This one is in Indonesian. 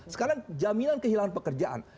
sekarang jaminan kehilangan pekerjaan